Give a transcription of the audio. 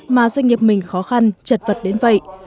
mà doanh nghiệp mình khó khăn chật vật đến vậy